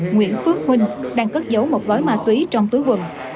nguyễn phước huynh đang cất giấu một gói ma túy trong túi quần